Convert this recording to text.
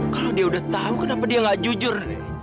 kalau dia udah tahu kenapa dia gak jujur